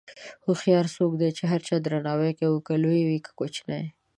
هوښیار څوک دی چې د هر چا درناوی کوي، که لوی وي که کوچنی.